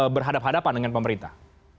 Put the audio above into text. berhadapan hadapan dengan pemerintah